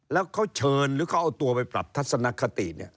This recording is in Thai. แล้วเขาเชิญหรือเขาเอาตัวไปปรับทัศนคติ